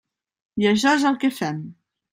I això és el que fem.